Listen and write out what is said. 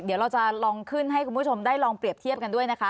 เดี๋ยวเราจะลองขึ้นให้คุณผู้ชมได้ลองเปรียบเทียบกันด้วยนะคะ